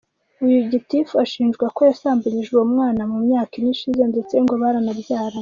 Uyu Gitifu ashinjwa ko yasambanyije uwo mwana mu myaka ine ishize, ndetse ngo baranabyaranye.